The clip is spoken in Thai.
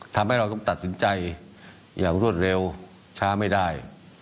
ทำให้เราต้องตัดสินใจอย่างรวดเร็วช้าไม่ได้